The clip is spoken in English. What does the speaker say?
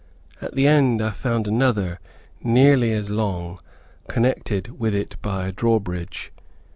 At the end I found another nearly as long, connected with it by a drawbridge.